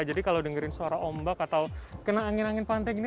jadi kalau dengerin suara ombak atau kena angin angin pantai gini